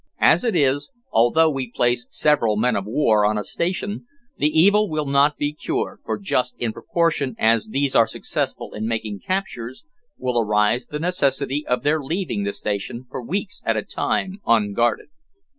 As it is, although we place several men of war on a station, the evil will not be cured, for just in proportion as these are successful in making captures, will arise the necessity of their leaving the station for weeks at a time unguarded.